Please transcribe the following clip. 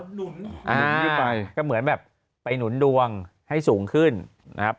หนุนขึ้นไปก็เหมือนแบบไปหนุนดวงให้สูงขึ้นนะครับ